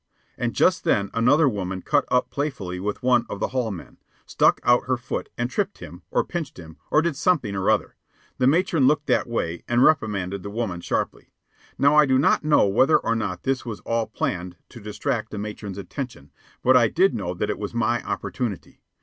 And just then another woman cut up playfully with one of the hall men stuck out her foot and tripped him, or pinched him, or did something or other. The matron looked that way and reprimanded the woman sharply. Now I do not know whether or not this was all planned to distract the matron's attention, but I did know that it was my opportunity.